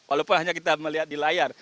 walaupun hanya kita melihat di layar